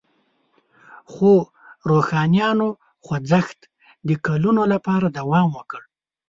خو روښانیانو خوځښت د کلونو لپاره دوام وکړ.